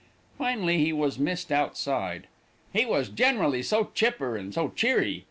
"Finally he was missed outside. He was generally so chipper and so cheery.